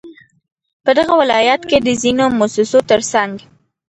په دغه ولايت كې د ځينو مؤسسو ترڅنگ